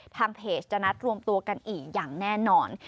ทางเพจจะนัดรวมตัวกันอีกอย่างแน่นอน